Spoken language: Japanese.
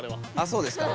そうですか。